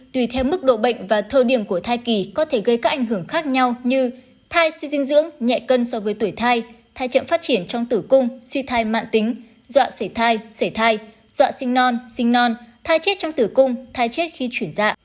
tùy theo mức độ bệnh và thời điểm của thai kỳ có thể gây các ảnh hưởng khác nhau như thai suy dinh dưỡng nhẹ cân so với tuổi thai chậm phát triển trong tử cung suy thai mạng tính dọa xảy thai sẻ thai dọa sinh non sinh non thai chết trong tử cung thai chết khi chuyển dạ